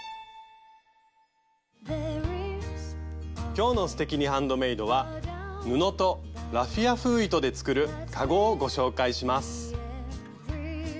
今日の「すてきにハンドメイド」は布とラフィア風糸で作る「かご」をご紹介します。